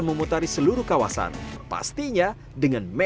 meski mereka sekolah darma